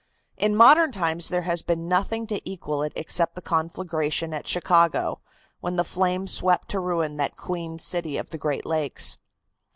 In modern times there has been nothing to equal it except the conflagration at Chicago, when the flames swept to ruin that queen city of the Great Lakes.